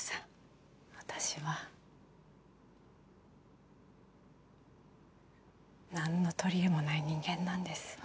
私はなんの取りえもない人間なんです。